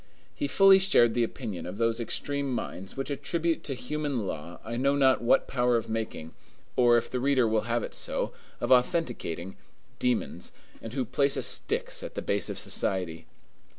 He fully shared the opinion of those extreme minds which attribute to human law I know not what power of making, or, if the reader will have it so, of authenticating, demons, and who place a Styx at the base of society.